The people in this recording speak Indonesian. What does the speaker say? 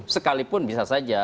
sekalipun bisa saja